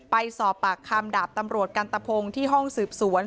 ไปสอบปากคำดาบตำรวจกันตะพงที่ห้องสืบสวน